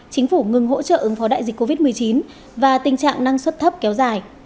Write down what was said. chính phủ ngừng hỗ trợ ứng phó đại dịch covid một mươi chín và tình trạng năng suất thấp kéo dài